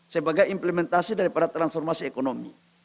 sebagai implementasi daripada transformasi ekonomi